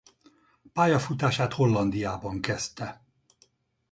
Pályafutását Hollandiában kezdte.